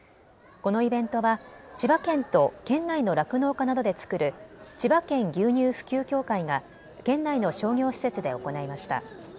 このイベントは千葉県と県内の酪農家などで作る千葉県牛乳普及協会が県内の商業施設で行いました。